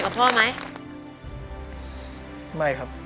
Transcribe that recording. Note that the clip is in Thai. พ่อรักผักบุ้งไหมรักครับ